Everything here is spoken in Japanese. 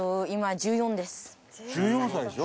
１４歳でしょ？